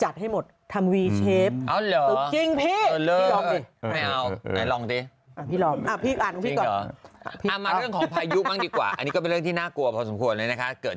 กล้องหน้าของฟังซูมนี้นะมันจะจัดให้หมด